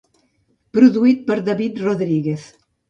Produït per David Rodríguez.